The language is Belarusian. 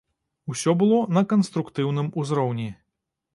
Усё было на канструктыўным узроўні.